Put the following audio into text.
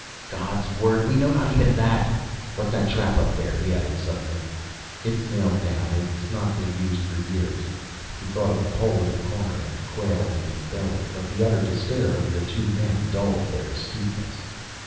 "God's word! We know not even that. What's that trap up there?" he added suddenly. "It's nailed down. It's not been used for years." He thought of the pole in the corner and quailed in his belly, but the utter despair of the two men dulled their astuteness.